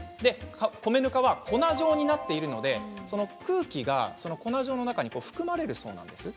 米ぬかは粉状になっているので空気が粉状の中に含まれるそうなんです。